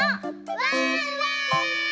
ワンワーン！